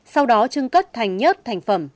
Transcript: sau đó trừng cất thành nhất thành phẩm